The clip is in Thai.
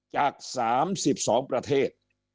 จาก๓๒ประเทศ